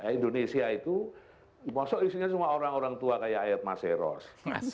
indonesia itu masuk isinya semua orang orang tua kayak ayat mas eros